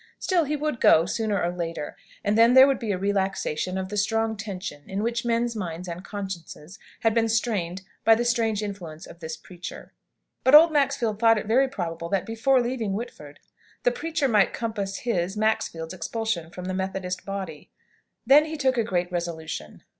Still he would go, sooner or later, and then there would be a relaxation of the strong tension in which men's minds and consciences had been strained by the strange influence of this preacher. But old Maxfield thought it very probable that, before leaving Whitford, the preacher might compass his (Maxfield's) expulsion from the Methodist body. Then he took a great resolution.